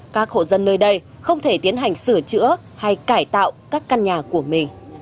các hộ dân nơi đây không thể tiến hành sửa chữa hay cải tạo các căn nhà của mình